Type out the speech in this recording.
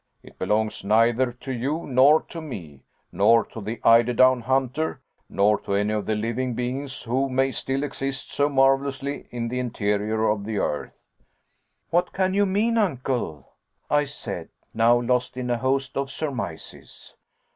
It belongs neither to you, nor to me, nor the eider down hunter, nor to any of the living beings who may still exist so marvelously in the interior of the earth." "What can you mean, Uncle?" I said, now lost in a host of surmises.